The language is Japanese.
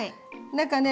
何かね